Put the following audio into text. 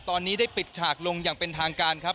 ตอนนี้ได้ปิดฉากลงอย่างเป็นทางการครับ